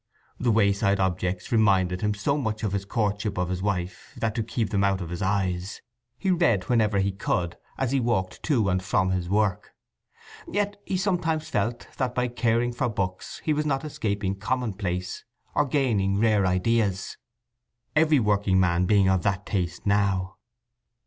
The wayside objects reminded him so much of his courtship of his wife that, to keep them out of his eyes, he read whenever he could as he walked to and from his work. Yet he sometimes felt that by caring for books he was not escaping common place nor gaining rare ideas, every working man being of that taste now.